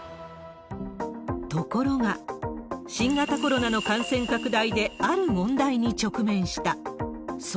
ところが、新型コロナの感染拡大で、ある問題に直面した。